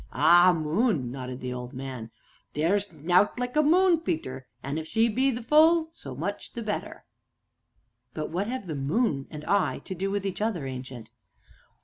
"Ah, moon!" nodded the old man; "theer's nowt like a moon, Peter, an' if she be at the full so much the better." "But what have the moon and I to do with each other, Ancient?"